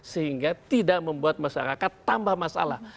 sehingga tidak membuat masyarakat tambah masalah